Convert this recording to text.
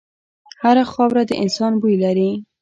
هره خاوره د انسان بوی لري.